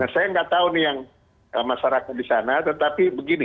saya nggak tahu nih yang masyarakat di sana tetapi begini